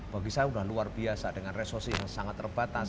bagi saya sudah luar biasa dengan resosi yang sangat terbatas